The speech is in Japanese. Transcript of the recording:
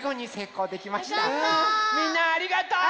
みんなありがとう！